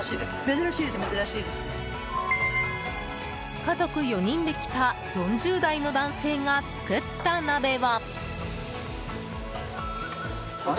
家族４人で来た４０代の男性が作った鍋は。